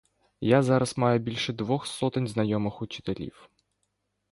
Я зараз маю більше двох сотень знайомих учителів.